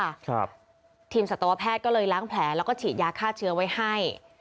ครับทีมสัตวแพทย์ก็เลยล้างแผลแล้วก็ฉีดยาฆ่าเชื้อไว้ให้